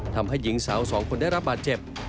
ทำให้หญิงสาวสองคนด้วยกัน